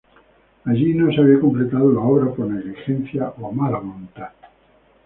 Allí no se había completado las obras, por negligencia o mala voluntad.